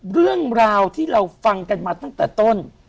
เรื่องราวที่เราฟังกันมาตั้งแต่ต้น